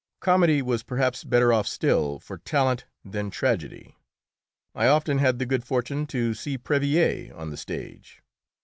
Comedy was perhaps better off still for talent than tragedy. I often had the good fortune to see Préville on the stage.